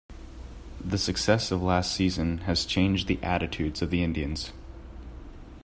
The success of last season has changed the attitudes of the Indians.